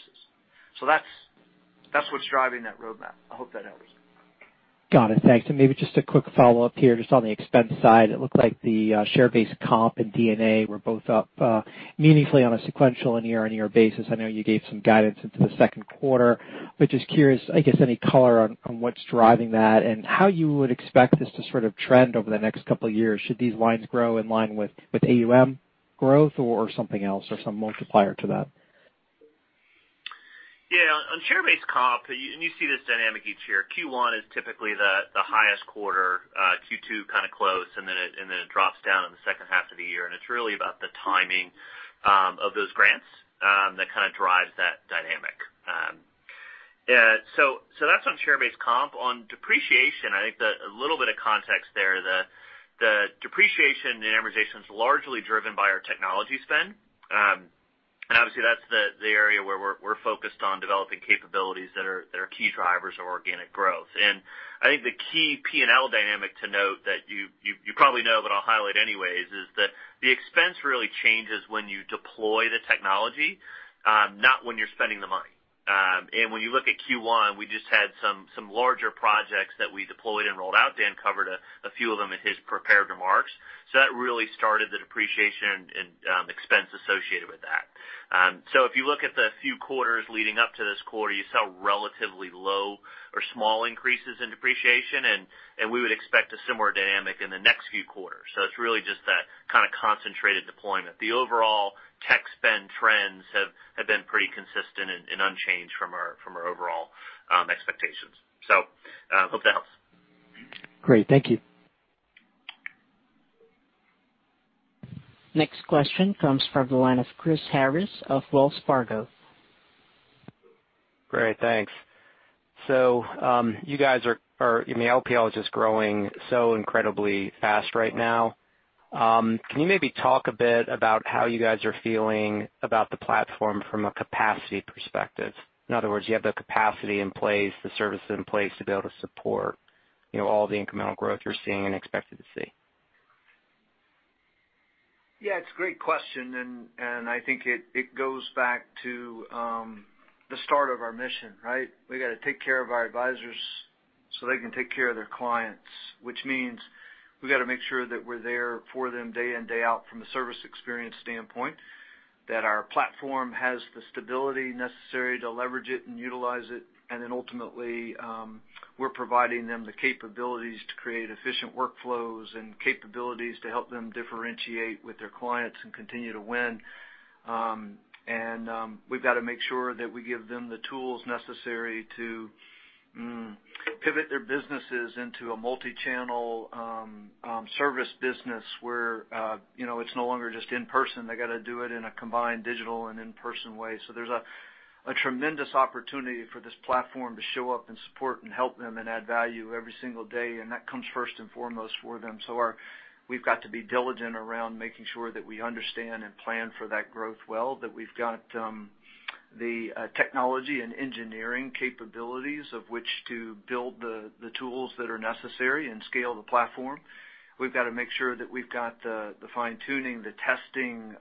That's what's driving that roadmap. I hope that helps. Got it. Thanks. Maybe just a quick follow-up here, just on the expense side. It looked like the share-based comp and D&A were both up meaningfully on a sequential and year-on-year basis. I know you gave some guidance into the second quarter, but just curious, I guess, any color on what's driving that and how you would expect this to sort of trend over the next couple of years. Should these lines grow in line with AUM growth or something else or some multiplier to that? On share-based comp, you see this dynamic each year, Q1 is typically the highest quarter. Q2 kind of close, then it drops down in the second half of the year. It's really about the timing of those grants that kind of drives that dynamic. That's on share-based comp. On depreciation, I think a little bit of context there. The depreciation and amortization is largely driven by our technology spend. Obviously, that's the area where we're focused on developing capabilities that are key drivers of organic growth. I think the key P&L dynamic to note that you probably know, but I'll highlight anyways, is that the expense really changes when you deploy the technology, not when you're spending the money. When you look at Q1, we just had some larger projects that we deployed and rolled out. Dan covered a few of them in his prepared remarks. That really started the depreciation and expense associated with that. If you look at the few quarters leading up to this quarter, you saw relatively low or small increases in depreciation, and we would expect a similar dynamic in the next few quarters. It's really just that kind of concentrated deployment. The overall tech spend trends have been pretty consistent and unchanged from our overall expectations. Hope that helps. Great. Thank you. Next question comes from the line of Chris Harris of Wells Fargo. Great. Thanks. LPL is just growing so incredibly fast right now. Can you maybe talk a bit about how you guys are feeling about the platform from a capacity perspective? In other words, you have the capacity in place, the services in place to be able to support all the incremental growth you're seeing and expecting to see. Yeah, it's a great question. I think it goes back to the start of our mission, right? We got to take care of our advisors so they can take care of their clients, which means we got to make sure that we're there for them day in, day out from a service experience standpoint. That our platform has the stability necessary to leverage it and utilize it. Ultimately, we're providing them the capabilities to create efficient workflows and capabilities to help them differentiate with their clients and continue to win. We've got to make sure that we give them the tools necessary to pivot their businesses into a multi-channel service business where it's no longer just in-person. They got to do it in a combined digital and in-person way. There's a tremendous opportunity for this platform to show up and support and help them and add value every single day. That comes first and foremost for them. We've got to be diligent around making sure that we understand and plan for that growth well, that we've got the technology and engineering capabilities of which to build the tools that are necessary and scale the platform. We've got to make sure that we've got the fine-tuning, the testing,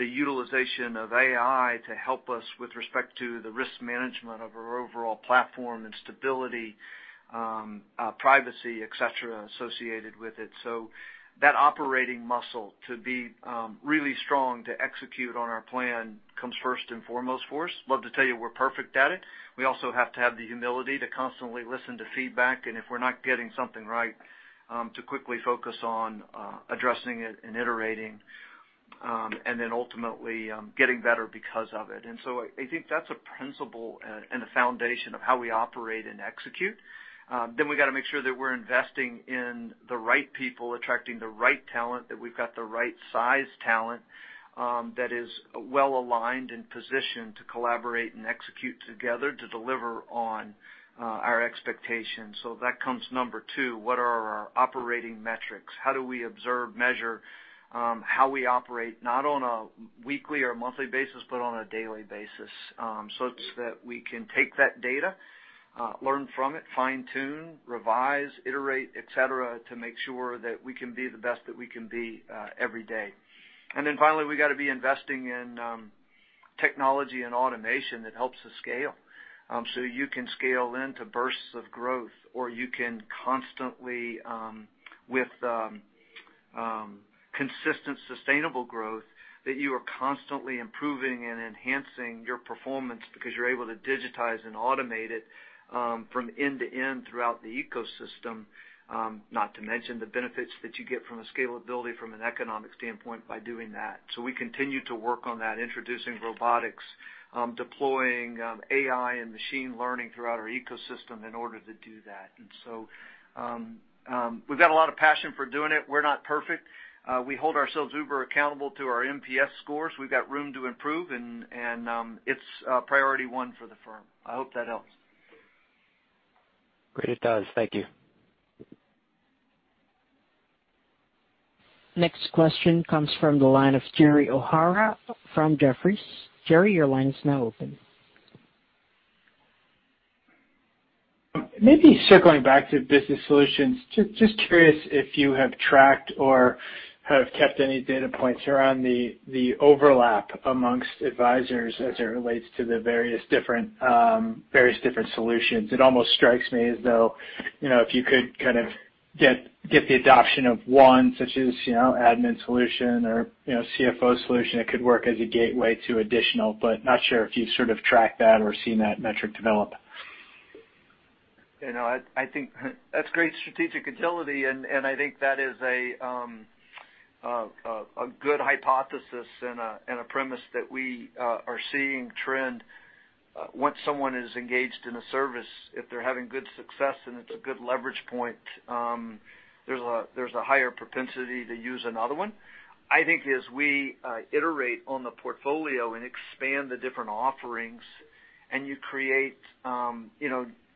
the utilization of AI to help us with respect to the risk management of our overall platform and stability, privacy, et cetera, associated with it. That operating muscle to be really strong to execute on our plan comes first and foremost for us. Love to tell you we're perfect at it. We also have to have the humility to constantly listen to feedback. If we're not getting something right, to quickly focus on addressing it and iterating, and then ultimately, getting better because of it. I think that's a principle and a foundation of how we operate and execute. We got to make sure that we're investing in the right people, attracting the right talent, that we've got the right size talent that is well-aligned and positioned to collaborate and execute together to deliver on our expectations. That comes number 2, what are our operating metrics? How do we observe, measure how we operate, not on a weekly or monthly basis, but on a daily basis? It's that we can take that data, learn from it, fine-tune, revise, iterate, et cetera, to make sure that we can be the best that we can be every day. Finally, we got to be investing in technology and automation that helps us scale. You can scale into bursts of growth, or you can constantly, with consistent sustainable growth, that you are constantly improving and enhancing your performance because you're able to digitize and automate it from end to end throughout the ecosystem. Not to mention the benefits that you get from a scalability from an economic standpoint by doing that. We continue to work on that, introducing robotics, deploying AI and machine learning throughout our ecosystem in order to do that. We've got a lot of passion for doing it. We're not perfect. We hold ourselves uber accountable to our NPS scores. We've got room to improve and it's priority one for the firm. I hope that helps. Great. It does. Thank you. Next question comes from the line of Jerry O'Hara from Jefferies. Jerry, your line is now open. Maybe circling back to Business Solutions. Just curious if you have tracked or have kept any data points around the overlap amongst advisors as it relates to the various different solutions. It almost strikes me as though, if you could kind of get the adoption of one, such as, admin solution or CFO solution, it could work as a gateway to additional, but not sure if you've sort of tracked that or seen that metric develop. I think that's great strategic agility, and I think that is a good hypothesis and a premise that we are seeing trend. Once someone is engaged in a service, if they're having good success, then it's a good leverage point. There's a higher propensity to use another one. I think as we iterate on the portfolio and expand the different offerings, and you create,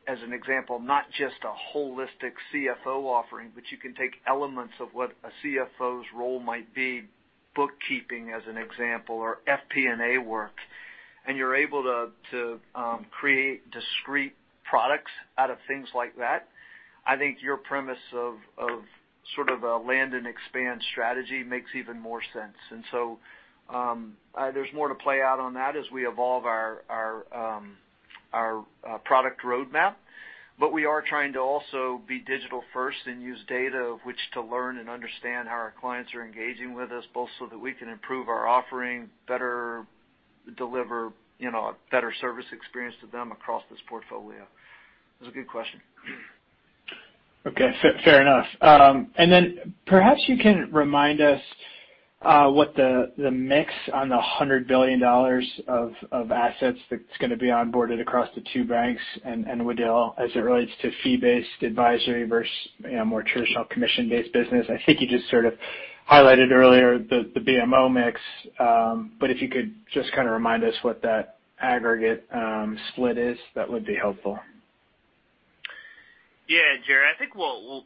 as an example, not just a holistic CFO offering, but you can take elements of what a CFO's role might be, bookkeeping, as an example, or FP&A work. You're able to create discrete products out of things like that. I think your premise of sort of a land and expand strategy makes even more sense. There's more to play out on that as we evolve our product roadmap. We are trying to also be digital-first and use data of which to learn and understand how our clients are engaging with us, both so that we can improve our offering better, deliver a better service experience to them across this portfolio. It was a good question. Okay, fair enough. Then perhaps you can remind us what the mix on the $100 billion of assets that's going to be onboarded across the two banks and Waddell as it relates to fee-based advisory versus more traditional commission-based business. I think you just sort of highlighted earlier the BMO mix. If you could just kind of remind us what that aggregate split is, that would be helpful. Yeah, Jerry. I think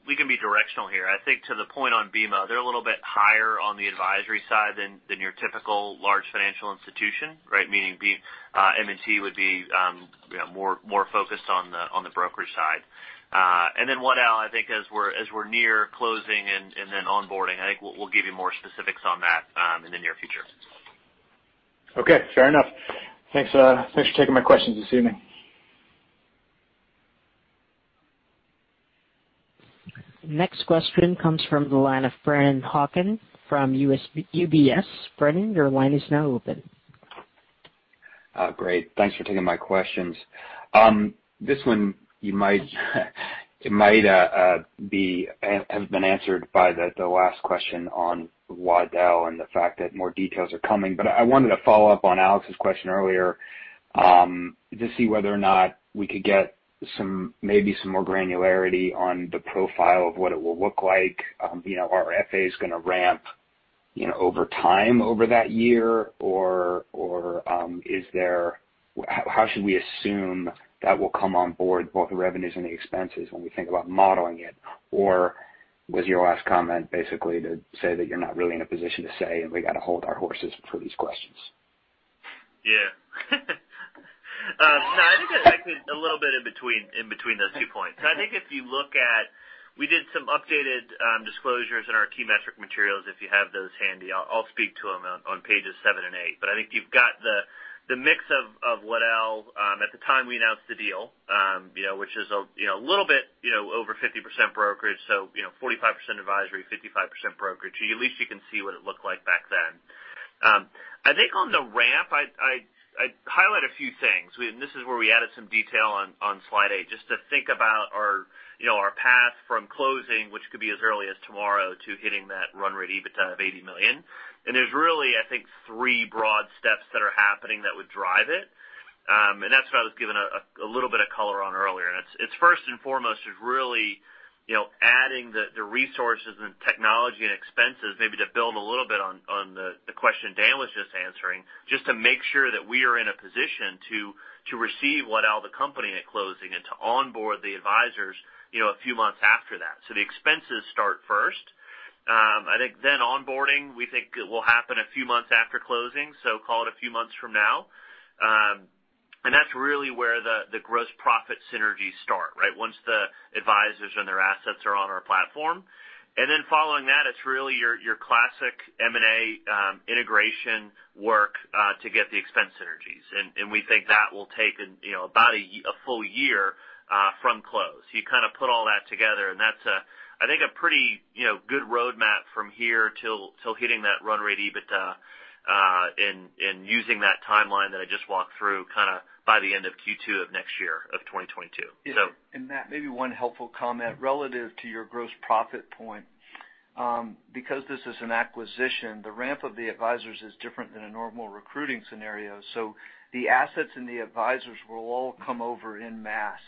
we can be directional here. I think to the point on BMO, they're a little bit higher on the advisory side than your typical large financial institution, right? Meaning M&T would be more focused on the brokerage side. Waddell, I think as we're near closing and then onboarding, I think we'll give you more specifics on that in the near future. Okay, fair enough. Thanks. Thanks for taking my questions this evening. Next question comes from the line of Brennan Hawken from UBS. Brennan, your line is now open. Great. Thanks for taking my questions. This one might have been answered by the last question on Waddell and the fact that more details are coming. I wanted to follow up on Alex's question earlier, to see whether or not we could get maybe some more granularity on the profile of what it will look like. Are FAs going to ramp over time over that year? How should we assume that will come on board, both the revenues and the expenses, when we think about modeling it? Was your last comment basically to say that you're not really in a position to say, and we've got to hold our horses for these questions? Yeah. No, I think I'd actually a little bit in between those two points. I think if you look at, we did some updated disclosures in our key metric materials, if you have those handy. I'll speak to them on pages seven and eight. I think you've got the mix of Waddell at the time we announced the deal, which is a little bit over 50% brokerage. 45% advisory, 55% brokerage. At least you can see what it looked like back then. I think on the ramp, I'd highlight a few things. This is where we added some detail on slide eight, just to think about our path from closing, which could be as early as tomorrow, to hitting that run rate EBITDA of $80 million. There's really, I think, three broad steps that are happening that would drive it. That's what I was giving a little bit of color on earlier. It's first and foremost is really adding the resources and technology and expenses, maybe to build a little bit on the question Dan was just answering, just to make sure that we are in a position to receive Waddell & Reed at closing and to onboard the advisors a few months after that. The expenses start first. I think onboarding, we think will happen a few months after closing, so call it a few months from now. That's really where the gross profit synergies start, right? Once the advisors and their assets are on our platform. Then following that, it's really your classic M&A integration work to get the expense synergies. We think that will take about a full year from close. You kind of put all that together, and that's, I think, a pretty good roadmap from here till hitting that run rate EBITDA and using that timeline that I just walked through by the end of Q2 of next year, of 2022. Matt, maybe one helpful comment. Relative to your gross profit point, because this is an acquisition, the ramp of the advisors is different than a normal recruiting scenario. The assets and the advisors will all come over en masse.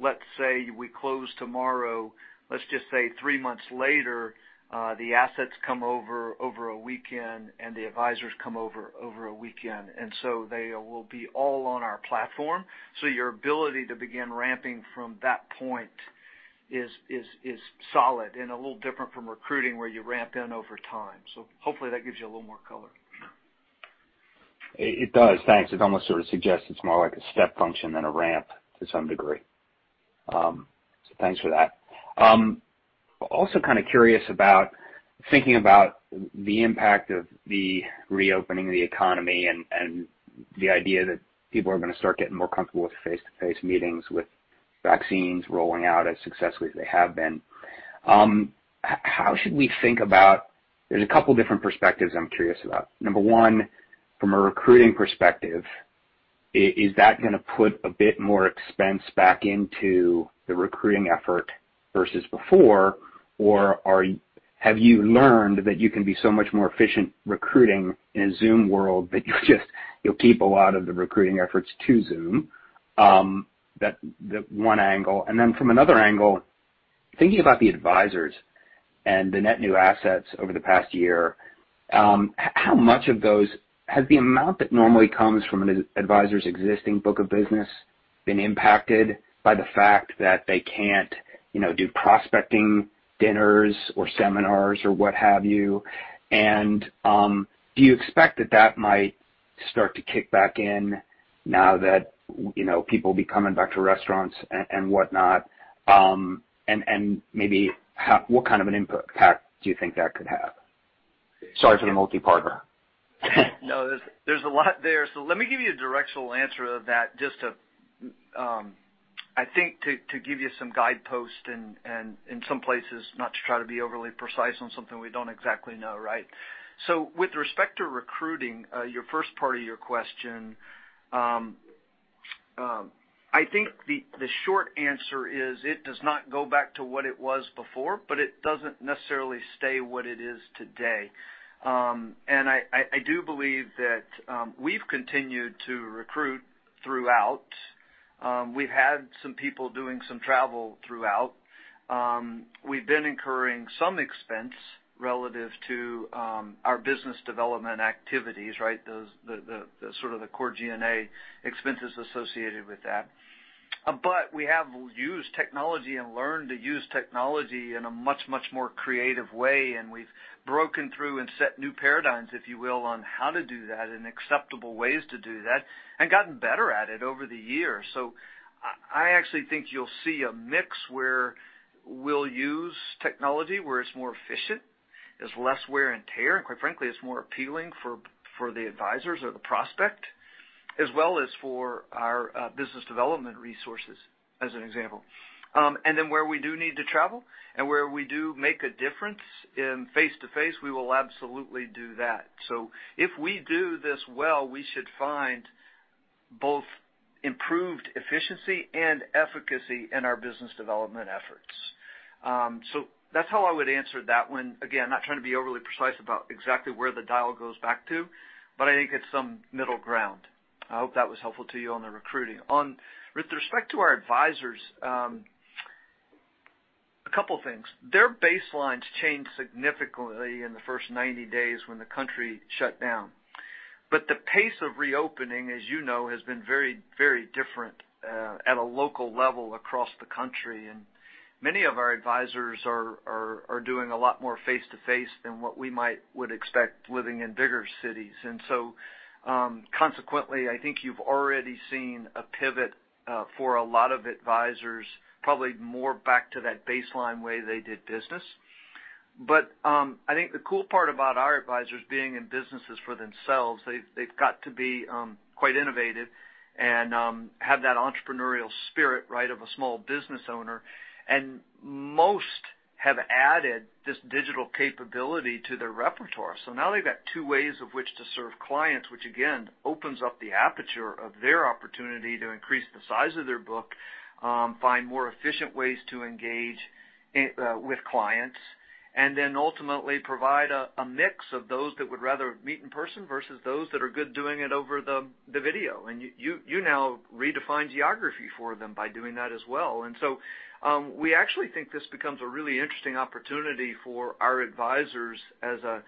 Let's say we close tomorrow. Let's just say three months later, the assets come over a weekend, and the advisors come over a weekend. They will be all on our platform. Your ability to begin ramping from that point is solid and a little different from recruiting, where you ramp in over time. Hopefully that gives you a little more color. It does, thanks. It almost sort of suggests it's more like a step function than a ramp to some degree. Thanks for that. Also kind of curious about thinking about the impact of the reopening of the economy and the idea that people are going to start getting more comfortable with face-to-face meetings with vaccines rolling out as successfully as they have been. There's a couple different perspectives I'm curious about. Number one, from a recruiting perspective, is that going to put a bit more expense back into the recruiting effort versus before? Have you learned that you can be so much more efficient recruiting in a Zoom world that you'll keep a lot of the recruiting efforts to Zoom? That one angle. Then from another angle, thinking about the advisors and the net new assets over the past year, has the amount that normally comes from an advisor's existing book of business been impacted by the fact that they can't do prospecting dinners or seminars or what have you? Do you expect that that might start to kick back in now that people will be coming back to restaurants and whatnot? Maybe what kind of an impact do you think that could have? Sorry for the multiparter. No, there's a lot there. Let me give you a directional answer of that, I think, to give you some guideposts and in some places, not to try to be overly precise on something we don't exactly know. With respect to recruiting, your first part of your question, I think the short answer is it does not go back to what it was before, but it doesn't necessarily stay what it is today. I do believe that we've continued to recruit throughout. We've had some people doing some travel throughout. We've been incurring some expense relative to our business development activities. The sort of the core G&A expenses associated with that. We have used technology and learned to use technology in a much, much more creative way, and we've broken through and set new paradigms, if you will, on how to do that and acceptable ways to do that and gotten better at it over the years. I actually think you'll see a mix where we'll use technology where it's more efficient, there's less wear and tear, and quite frankly, it's more appealing for the advisors or the prospect, as well as for our business development resources, as an example. Then where we do need to travel and where we do make a difference in face-to-face, we will absolutely do that. If we do this well, we should find both improved efficiency and efficacy in our business development efforts. That's how I would answer that one. Not trying to be overly precise about exactly where the dial goes back to, but I think it's some middle ground. I hope that was helpful to you on the recruiting. With respect to our advisors. A couple things. Their baselines changed significantly in the first 90 days when the country shut down. The pace of reopening, as you know, has been very different at a local level across the country. Many of our advisors are doing a lot more face-to-face than what we might would expect living in bigger cities. Consequently, I think you've already seen a pivot for a lot of advisors, probably more back to that baseline way they did business. I think the cool part about our advisors being in businesses for themselves, they've got to be quite innovative and have that entrepreneurial spirit of a small business owner. Most have added this digital capability to their repertoire. Now they've got two ways of which to serve clients, which again, opens up the aperture of their opportunity to increase the size of their book, find more efficient ways to engage with clients, and then ultimately provide a mix of those that would rather meet in person versus those that are good doing it over the video. You now redefined geography for them by doing that as well. We actually think this becomes a really interesting opportunity for our advisors as a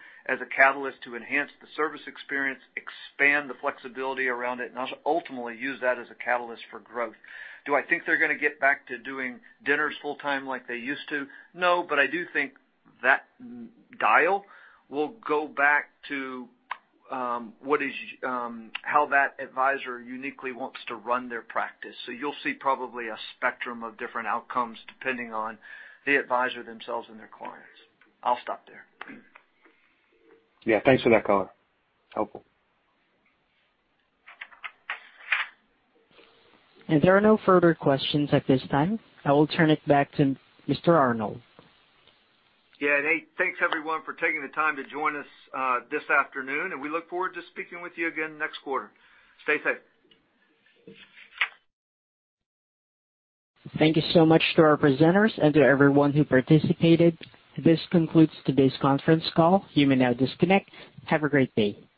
catalyst to enhance the service experience, expand the flexibility around it, and ultimately use that as a catalyst for growth. Do I think they're going to get back to doing dinners full-time like they used to? No, I do think that dial will go back to how that advisor uniquely wants to run their practice. You'll see probably a spectrum of different outcomes depending on the advisor themselves and their clients. I'll stop there. Yeah. Thanks for that color. Helpful. There are no further questions at this time. I will turn it back to Mr. Arnold. Yeah. Hey, thanks everyone for taking the time to join us this afternoon. We look forward to speaking with you again next quarter. Stay safe. Thank you so much to our presenters and to everyone who participated. This concludes today's conference call. You may now disconnect. Have a great day.